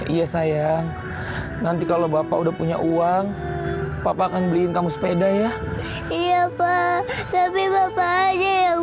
iya sayang nanti kalau bapak udah punya uang papa kan beliin kamu sepeda ya iya pak tapi bapak ada